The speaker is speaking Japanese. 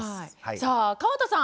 さあ川田さん